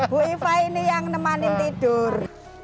bu ifah ini yang nemanin tidur